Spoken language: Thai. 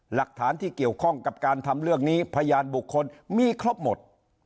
หลักฐานที่เกี่ยวข้องกับการทำเรื่องนี้พยานบุคคลมีครบหมด